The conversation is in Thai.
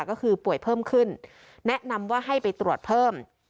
ก็คือป่วยเพิ่มขึ้นแนะนำว่าให้ไปตรวจเพิ่ม